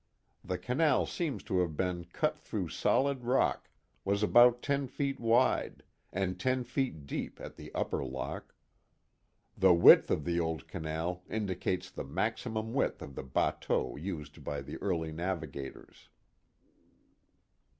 The canal seems to have been cut through solid rock, was about ten feet wide, and ten feet deep at the upper lock. The width of the old canal indicates the maximum width of the bateaux used by the early navigators.